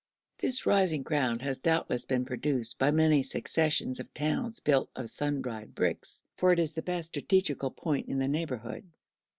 This rising ground has doubtless been produced by many successions of towns built of sun dried bricks, for it is the best strategical point in the neighbourhood.